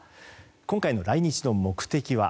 今回の来日の目的は。